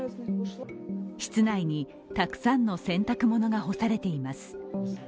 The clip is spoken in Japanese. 室内にたくさんの洗濯物が干されています。